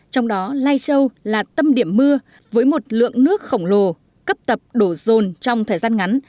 trong đó lai châu là tâm điểm mưa với một lượng nước khổng lồ cấp tập đổ rồn trong thời gian ngắn